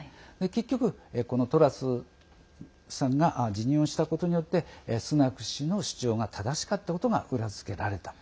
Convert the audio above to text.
結局、このトラスさんが辞任をしたことによってスナク氏の主張が正しかったことが裏付けられた。